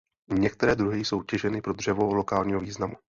Některé druhy jsou těženy pro dřevo lokálního významu.